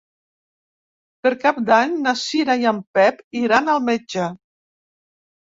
Per Cap d'Any na Cira i en Pep iran al metge.